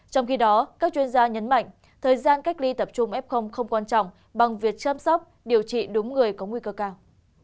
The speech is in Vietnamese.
trong khi đó các chuyên gia nhấn mạnh thời gian cách ly tập trung f không quan trọng bằng việc chăm sóc điều trị đúng người có nguy cơ cao